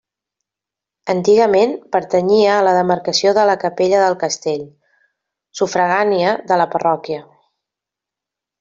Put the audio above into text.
Antigament pertanyia a la demarcació de la Capella del Castell, sufragània de la parròquia.